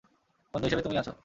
বন্ধু হিসেবে তুমিই আছো।